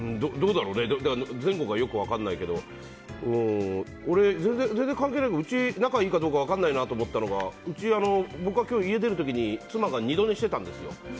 前後がよく分からないけど俺、全然関係ないけどうち、仲がいいか分からないなと思ったのがうち、僕が今日、家出る時に妻が二度寝してたんです。